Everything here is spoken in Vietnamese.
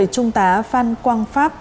trung tá phan quang pháp